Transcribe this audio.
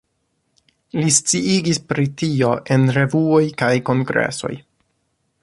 Li sciigis pri tio en revuoj kaj kongresoj.